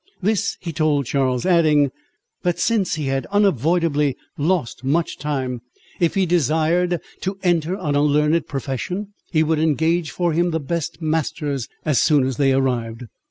This he told Charles, adding—"That since he had unavoidably lost much time, if he desired to enter on a learned profession, he would engage for him the best masters, as soon as they arrived."